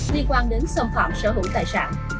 liên quan đến xâm phạm sở hữu tài sản